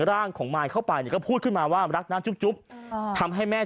ร่างของมายเข้าไปเนี่ยก็พูดขึ้นมาว่ารักนะจุ๊บทำให้แม่